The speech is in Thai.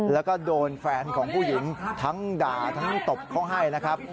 แล้วก็โดนแฟนของผู้หญิงทั้งด่าทั้งตบเขาให้นะครับ